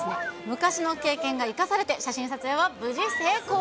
昔の経験が生かされて、写真撮影は無事成功。